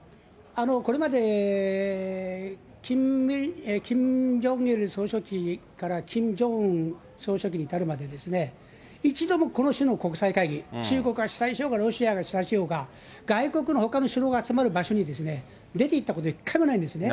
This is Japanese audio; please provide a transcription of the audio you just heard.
これまでキム・ジョンイル総書記からキム・ジョンウン総書記に至るまで、一度もこの種の国際会議、中国が主催しようが、ロシアが主催しようが、外国のほかの首脳が集まる場所に出ていったこと、一回もないんですね。